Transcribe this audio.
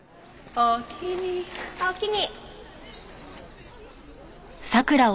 おおきに。